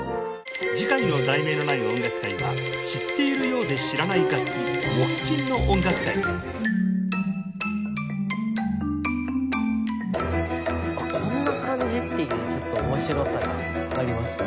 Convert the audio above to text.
次回の『題名のない音楽会』は「知っているようで知らない楽器木琴の音楽会」あっこんな感じっていう面白さがありました。